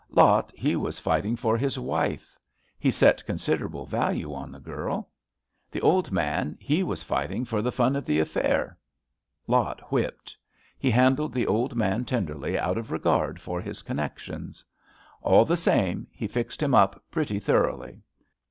Lot he was fighting for his wife. He set considerable value on the girl. The old man he was fighting for the fun of the affair. Lot whipped. He handled the old man tenderly out of regard for his connections. All the same he fixed him up pretty thoroughly.